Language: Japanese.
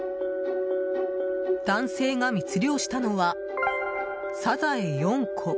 男性が密漁したのはサザエ４個。